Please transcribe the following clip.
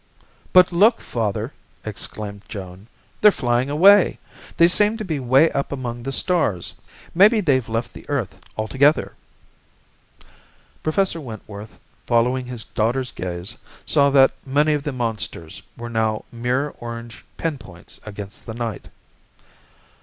"But look, father!" exclaimed Joan. "They're flying away! They seem to be way up among the stars. Maybe they've left the earth altogether." Professor Wentworth following his daughter's gaze, saw that many of the monsters were now mere orange pinpoints against the night.